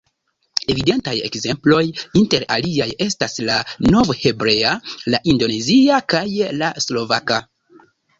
Evidentaj ekzemploj, inter aliaj, estas la novhebrea, la indonezia kaj la slovaka.